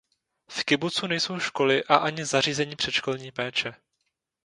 V kibucu nejsou školy a ani zařízení předškolní péče.